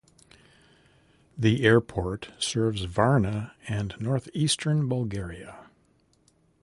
The airport serves Varna and northeastern Bulgaria.